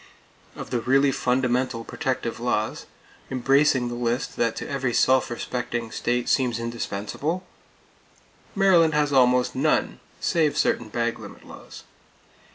Of the really fundamental protective laws, embracing the list that to every self respecting state seems indispensable, Maryland has almost none save certain bag limit laws!